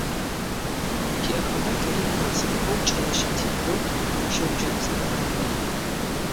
Тиӏэхэба тэри классикхэу Кӏэрэщэ Тембот, Шэуджэнцӏыкӏу Алый…